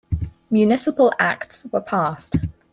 Municipal acts were passed.